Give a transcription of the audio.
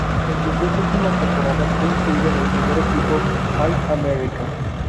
En sus dos últimas temporadas fue incluido en el primer equipo All-American.